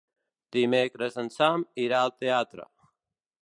Dimecres en Sam irà al teatre.